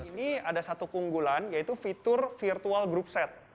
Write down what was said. ini ada satu keunggulan yaitu fitur virtual groupset